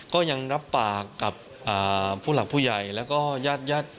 ก็ยังรับปากกับอ่าผู้หลักผู้ใหญ่แล้วก็ยาดยาด